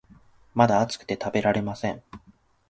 まだ熱くて食べられません